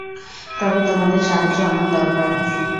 তবে, তোমাদের সাহায্য আমার দরকার।